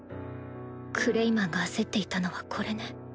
クレイマンが焦っていたのはこれね